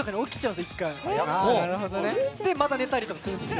で、また寝たりとかするんですよ。